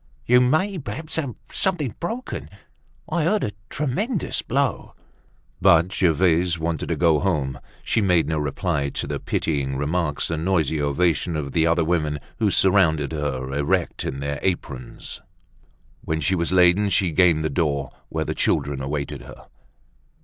"You may, perhaps, have something broken. I heard a tremendous blow." But Gervaise wanted to go home. She made no reply to the pitying remarks and noisy ovation of the other women who surrounded her, erect in their aprons. When she was laden she gained the door, where the children awaited her.